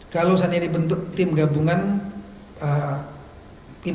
kalau saya jadi bentuk tim gabungan